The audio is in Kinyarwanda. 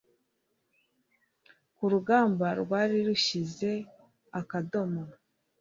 ku rugamba rwari rushyize akadomo